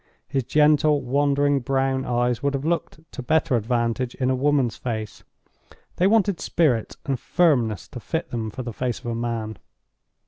His gentle, wandering brown eyes would have looked to better advantage in a woman's face—they wanted spirit and firmness to fit them for the face of a man.